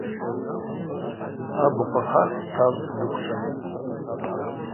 Абыхъв ахъахь тажвкӏ дыквчӏван.